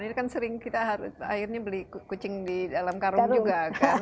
ini kan sering kita akhirnya beli kucing di dalam karung juga kan